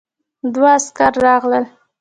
دوه عسکر راغلل.